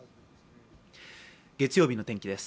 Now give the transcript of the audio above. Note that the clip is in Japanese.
月曜日の天気です。